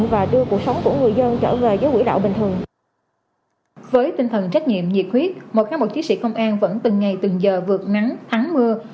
với tinh thần trách nhiệm nhiệt huyết một kháng chiến sĩ công an vẫn từng ngày từng giờ vượt nắng thắng mưa